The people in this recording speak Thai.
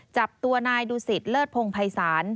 จับตัวนายดูสิตเลิศพงภัยศาล